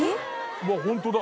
うわっホントだ。